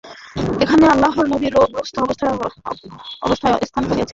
এখানে আল্লাহর নবী রোগগ্রস্ত অবস্থায় অবস্থান করছিলেন তাঁকে কি তুমি দেখেছ?